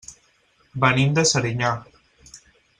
Venim de Serinyà.